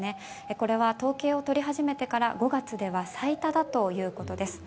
これは統計を取り始めてから５月では最多だということです。